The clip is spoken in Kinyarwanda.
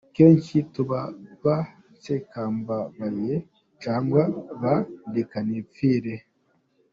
Kenshi tuba ba nsekambabaye, cyangwa ba ndeka-nipfire.